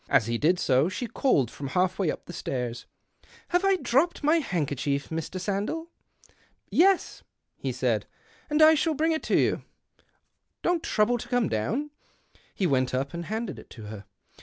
As he did so, she called from halfway up the stairs —" Have I dropped my handkerchief, Mr. Sandell ?"" Yes," he said, " and I'll bring it to you ; don't trouble to come down." He went up and handed it to her.